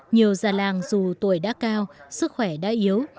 nhiều già làng dù tuổi đã cao sức khỏe đã yếu